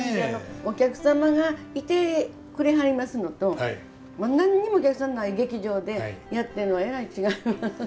お客様がいてくれはりますのと何にもお客さんない劇場でやってんのはえらい違います。